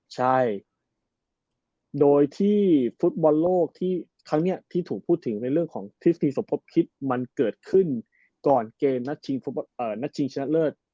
ใช่โดยที่ฟุตบอลโลกที่ครั้งนี้ที่ถูกพูดถึงในเรื่องของทฤษฎีสมพบคิดมันเกิดขึ้นก่อนเกมนัดชิงชนะเลิศ